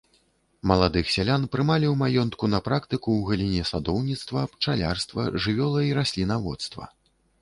Маладых сялян прымалі ў маёнтку на практыку ў галіне садоўніцтва, пчалярства, жывёла- і раслінаводства.